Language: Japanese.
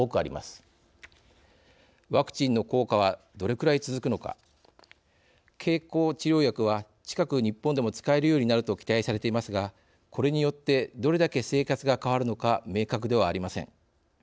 ワクチンの効果はどれくらい続くのか経口治療薬は近く日本でも使えるようになると期待されていますがこれによってどれだけ生活が変わるのか明確ではありません。